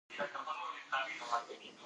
افغانستان د وګړي کوربه دی.